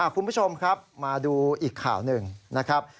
คุณผู้ชมครับมาดูอีกข่าวหนึ่งนะครับ